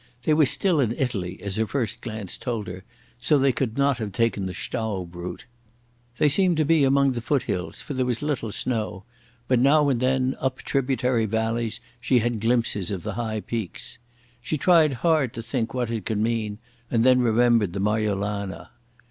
They were still in Italy, as her first glance told her, so they could not have taken the Staub route. They seemed to be among the foothills, for there was little snow, but now and then up tributary valleys she had glimpses of the high peaks. She tried hard to think what it could mean, and then remembered the Marjolana.